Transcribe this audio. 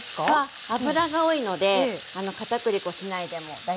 脂が多いので片栗粉しないでも大丈夫ですね。